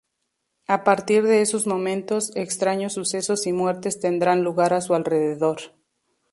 A partir de esos momentos, extraños sucesos y muertes tendrán lugar a su alrededor.